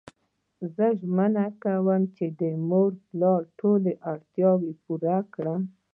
زه ژمنه کوم چی د مور او پلار ټولی اړتیاوی پوره کړم